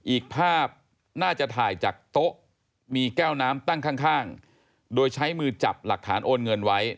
อีกภาพน่าจะถ่ายจากโต๊ะมีแก้วน้ำตั้งข้างโดยใช้มือจับหลักฐานโอนเงินไว้